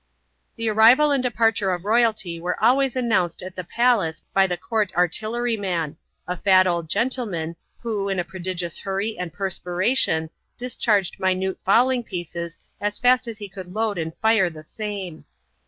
The arrival and departure of royalty were always announced at the palace by the court artilleryman — a fat old gentleman, who, in a prodigious hurry and perspiration, discharged minute fowling pieces, as fast as he could load and fire the same.